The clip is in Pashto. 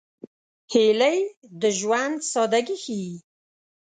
هیلۍ د ژوند سادګي ښيي